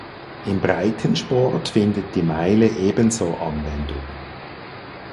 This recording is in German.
Im Breitensport findet die Meile ebenso Anwendung.